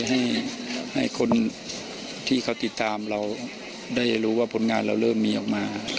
ให้คนที่เขาติดตามเราได้รู้ว่าผลงานเราเริ่มมีออกมา